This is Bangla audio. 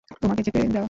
তোমাকে যেতে দেয়া?